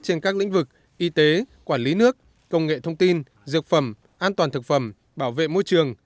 trên các lĩnh vực y tế quản lý nước công nghệ thông tin dược phẩm an toàn thực phẩm bảo vệ môi trường